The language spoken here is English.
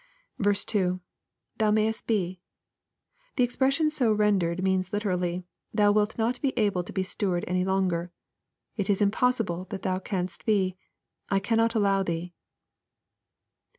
2 ^Tfiou may est he.] The expression so rendered means literally, " Thou wilt not be able to be steward any longer." — It is impos* sible that thou canst be. I cannot allow thee.